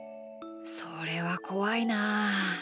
それはこわいなあ。